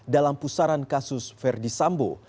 dalam pusaran kasus verdi sambo